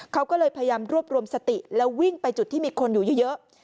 เขาก็เลยพยายามรวบรวมสติแล้ววิ่งไปจุดที่มีคนอยู่เยอะ